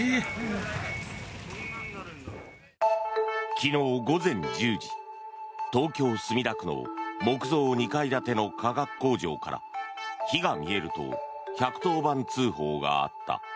昨日午前１０時東京・墨田区の木造２階建ての化学工場から火が見えると１１０番通報があった。